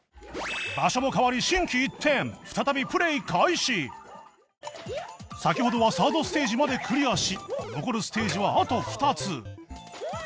場所も変わり先ほどはサードステージまでクリアし残るステージはあと２つ